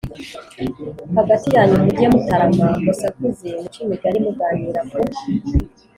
hagati yanyu muge mutarama, musakuze, muce imigani muganira ku